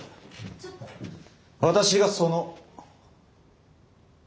私がその。